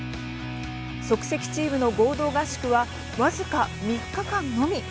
即席チームの合同合宿は僅か３日間のみ。